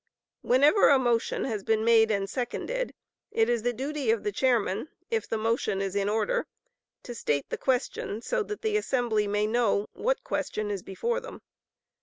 Whenever a motion has been made and seconded, it is the duty of the chairman, if the motion is in order, to state the question so that the assembly may know what question is before them.